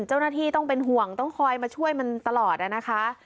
เจ้าหน้าที่ต้องเป็นห่วงต้องคอยมาช่วยมันตลอดนะคะ